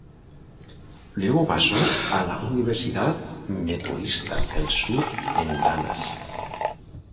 Luego pasó a la Universidad Metodista del Sur en Dallas.